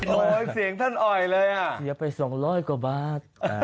โอ้โหเสียงท่านอ่อยเลยอ่ะเสียไป๒๐๐กว่าบาท